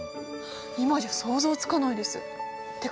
今じゃ想像つかないです。